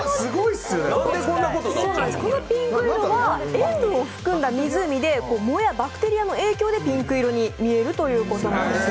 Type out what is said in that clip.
このピンク色は塩分を含んだ湖で藻やバクテリアの影響でピンク色に見えるということです。